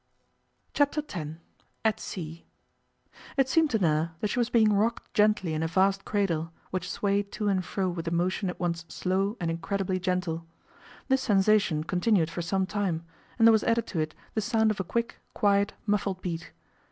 Chapter Ten AT SEA IT seemed to Nella that she was being rocked gently in a vast cradle, which swayed to and fro with a motion at once slow and incredibly gentle. This sensation continued for some time, and there was added to it the sound of a quick, quiet, muffled beat.